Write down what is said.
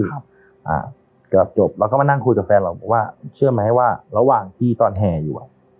เกือบจบแล้วก็มานั่งคุยกับแฟนเราบอกว่าเชื่อไหมว่าระหว่างที่ตอนแห่อยู่อ่ะ